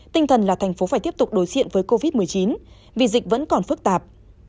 tinh thần là thành phố phải tiếp tục đối diện với covid một mươi chín vì dịch vẫn còn phức tạp